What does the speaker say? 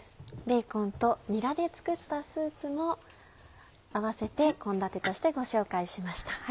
ベーコンとにらで作ったスープも併せて献立としてご紹介しました。